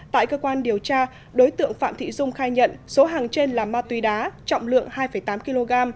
tại cơ quan điều tra đối tượng phạm thị dung khai nhận số hàng trên là ma túy đá trọng lượng hai tám kg